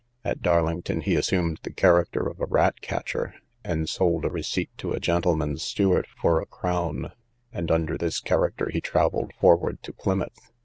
At Darlington he assumed the character of a rat catcher, and sold a receipt to a gentleman's steward for a crown: and under this character he travelled forward to Plymouth.